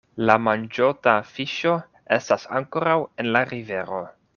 La manĝota fiŝo estas ankoraŭ en la rivero.